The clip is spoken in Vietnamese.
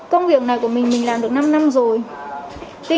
công việc này của mình mình làm được năm năm rồi